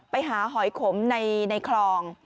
ไปหาหอยขมในคลอง